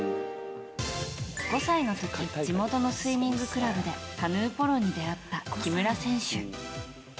５歳の時地元のスイミングクラブでカヌーポロに出会った木村選手。